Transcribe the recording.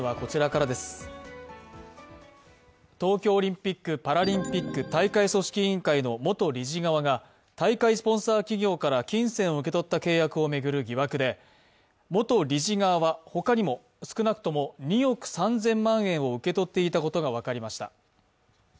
東京オリンピック・パラリンピック大会組織委員会の元理事側が大会スポンサー企業から金銭を受け取った契約を巡る疑惑で元理事側はほかにも、少なくとも２億３０００万円を受け取っていたことが分かりました。